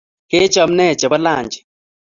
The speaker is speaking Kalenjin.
Kechop ne chebo lanji?